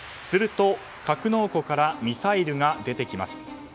すると、格納庫からミサイルが出てきます。